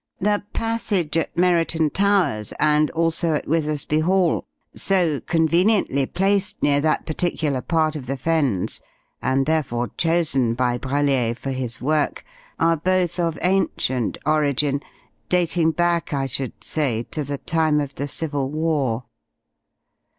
"The passage at Merriton Towers, and also at Withersby Hall so conveniently placed near that particular part of the Fens, and therefore chosen by Brellier for his work are both of ancient origin, dating back, I should say, to the time of the civil war.